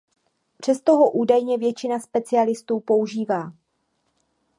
Přesto ho údajně většina specialistů používá.